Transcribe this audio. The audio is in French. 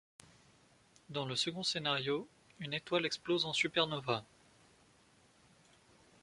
Dans le second scénario, une étoile explose en supernova.